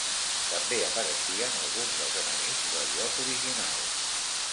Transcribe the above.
També apareixien alguns dels enemics del joc original.